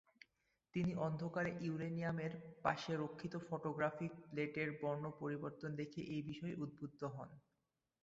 তিনি অন্ধকারে ইউরেনিয়ামের পাশে রক্ষিত ফটোগ্রাফিক প্লেটের বর্ণ পরিবর্তন দেখে এই বিষয়ে উদ্বুদ্ধ হন।